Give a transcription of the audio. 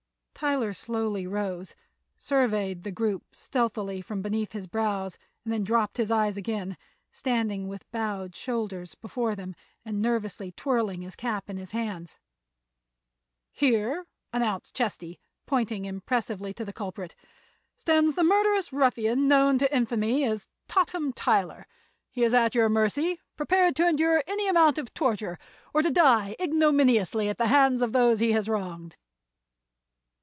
Tyler slowly rose, surveyed the group stealthily from beneath his brows and then dropped his eyes again, standing with bowed shoulders before them and nervously twirling his cap in his hands. "Here," announced Chesty, pointing impressively to the culprit, "stands the murderous ruffian known to infamy as Totham Tyler. He is at your mercy, prepared to endure any amount of torture or to die ignominiously at the hands of those he has wronged."